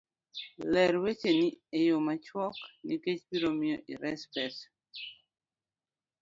ler wecheni e yo machuok nikech biro miyo ires pesa.